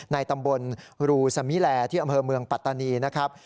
ในตำบลรูสมิแลที่อำเภอเมืองปัตตานีนะครับ